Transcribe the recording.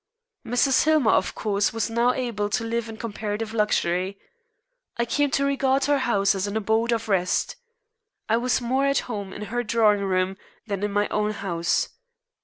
Mrs. Hillmer, of course, was now able to live in comparative luxury. I came to regard her house as an abode of rest. I was more at home in her drawing room than in my own house.